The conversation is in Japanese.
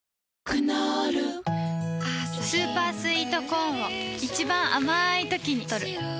クノールスーパースイートコーンを一番あまいときにとる